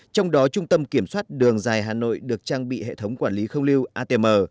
trong đó trung tâm kiểm soát đường dài hà nội được trang bị hệ thống quản lý không lưu atm